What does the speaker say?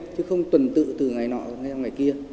chứ không tuần tự từ ngày nọ nghe ngày kia